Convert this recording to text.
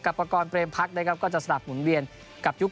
ประกอบเรมพักนะครับก็จะสลับหมุนเวียนกับยุค